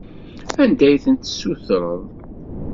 Anda ay tent-tessutreḍ?